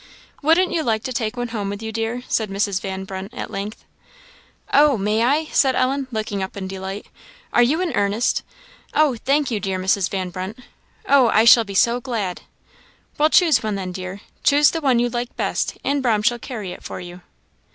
"Wouldn't you like to take one home with you, dear?" said Mrs. Van Brunt, at length. "Oh! may I?" said Ellen, looking up in delight; "are you in earnest? oh, thank you, dear Mrs. Van Brunt! oh, I shall be so glad!" "Well, choose one then, dear choose the one you like best, and 'Brahm shall carry it for you."